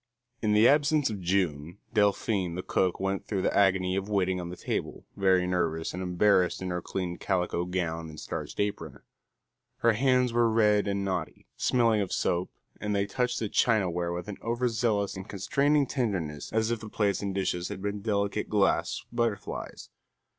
In the absence of June, Delphine the cook went through the agony of waiting on the table, very nervous and embarrassed in her clean calico gown and starched apron. Her hands were red and knotty, smelling of soap, and they touched the chinaware with an over zealous and constraining tenderness as if the plates and dishes had been delicate glass butterflies.